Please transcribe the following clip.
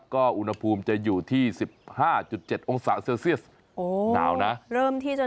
ก็อุณหภูมิจะอยู่ที่๑๕๗องศาเซลเซียส